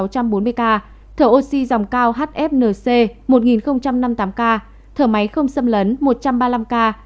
thở oxy dòng cao hfnc một nghìn năm mươi tám ca thở máy không xâm lấn một trăm ba mươi năm ca